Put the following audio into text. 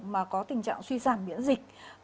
mà có tình trạng suy sản miễn dịch